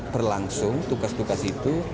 berlangsung tugas tugas itu